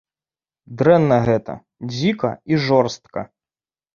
Дрэнна гэта, дзіка і жорстка.